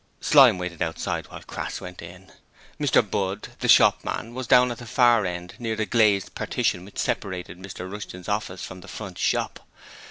Slyme waited outside while Crass went in. Mr Budd, the shopman, was down at the far end near the glazed partition which separated Mr Rushton's office from the front shop.